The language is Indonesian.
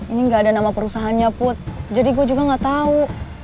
ini nggak ada nama perusahaannya put jadi gue juga gak tahu